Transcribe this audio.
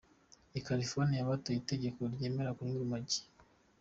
I California batoye itegeko ryemera kunywa urumogi.